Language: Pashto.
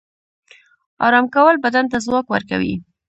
آرام کول بدن ته ځواک ورکوي